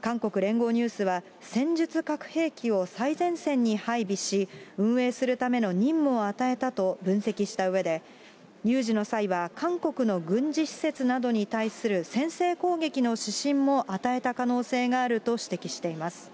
韓国聯合ニュースは、戦術核兵器を最前線に配備し、運営するための任務を与えたと分析したうえで、有事の際は、韓国の軍事施設などに対する先制攻撃の指針も与えた可能性があると指摘しています。